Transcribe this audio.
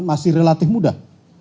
masih relatif mudah